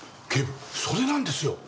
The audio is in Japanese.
警部それなんですよ！